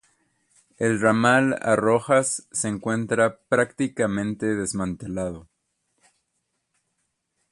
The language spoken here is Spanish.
El ramal a Rojas se encuentra prácticamente desmantelado.